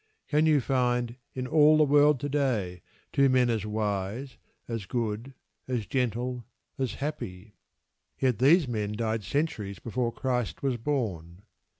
Can you find in all the world to day two men as wise, as good, as gentle, as happy? Yet these men died centuries before Christ was born.